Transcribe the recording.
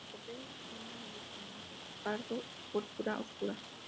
La corteza es fina y escamosa, pardo púrpura oscura.